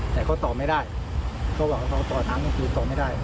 แต่เขาต่อไม่ได้เขาบอกว่าเขาต่อตั้งคืนต่อไม่ได้